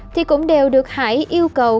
thì cũng đều được hải yêu cầu